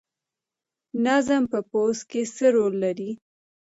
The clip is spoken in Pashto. نظم په پوځ کې څه رول لري؟